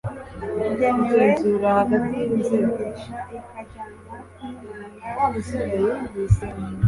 igenewe umuririmbisha, ikajyana n'inanga z'imirya